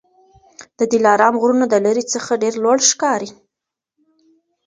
د دلارام غرونه د لیري څخه ډېر لوړ ښکاري